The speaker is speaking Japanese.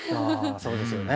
そうですよね。